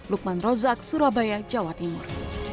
lukman rozak surabaya jawa timur